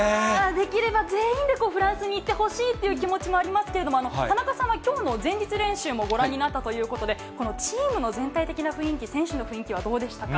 できれば全員でフランスに行ってほしいっていう気持ちもありますけれども、田中さんは、きょうの前日練習もご覧になったということで、このチームの全体的な雰囲気、選手の雰囲気はどうでしたか？